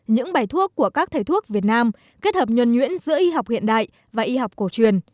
những bài thuốc của các thầy thuốc việt nam kết hợp nhuẩn nhuyễn giữa y học hiện đại và y học cổ truyền